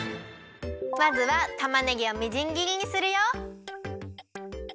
まずはたまねぎをみじん切りにするよ。